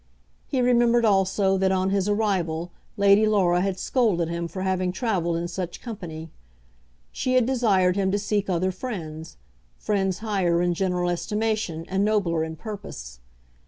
He remembered also that on his arrival Lady Laura had scolded him for having travelled in such company. She had desired him to seek other friends, friends higher in general estimation, and nobler in purpose.